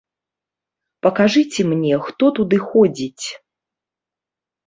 Пакажыце мне, хто туды ходзіць.